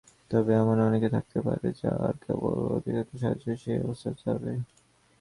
তবে এমন অনেকে থাকতে পারে, যারা কেবল অদ্বৈতবাদের সাহায্যেই সেই অবস্থায় যাবে।